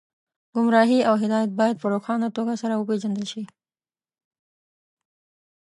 ګمراهي او هدایت باید په روښانه توګه سره وپېژندل شي